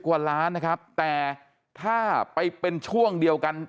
กว่าล้านนะครับแต่ถ้าไปเป็นช่วงเดียวกัน